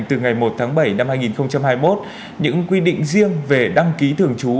từ ngày một tháng bảy năm hai nghìn hai mươi một những quy định riêng về đăng ký thường trú